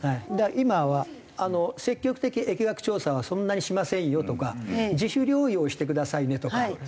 だから今は積極的疫学調査はそんなにしませんよとか自主療養をしてくださいねとか。